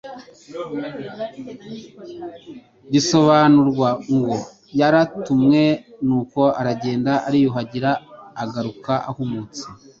risobanurwa ngo yaratumwe. Nuko aragenda, ariyuhagira, agaruka ahumutse.»